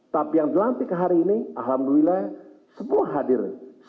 tapi yang dilantik hari ini semuanya hadir